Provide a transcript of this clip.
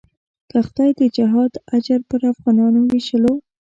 که خدای د جهاد اجر پر افغانانو وېشلو.